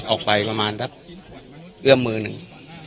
ออกไปประมาณรับเบื้อมมือหนึ่ง